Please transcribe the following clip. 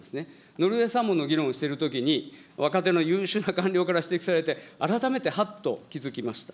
ノルウェーサーモンの議論をしているときに、若手の優秀な官僚から指摘されて、改めてはっと気付きました。